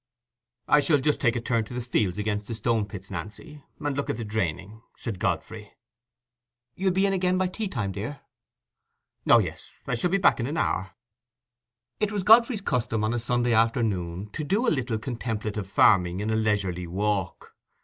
"I shall just take a turn to the fields against the Stone pits, Nancy, and look at the draining," said Godfrey. "You'll be in again by tea time, dear?" "Oh, yes, I shall be back in an hour." It was Godfrey's custom on a Sunday afternoon to do a little contemplative farming in a leisurely walk.